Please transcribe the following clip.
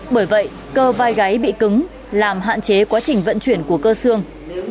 bởi vậy cơ vai gáy bị cứng làm hạn chế quá trình vận chuyển của cơ xương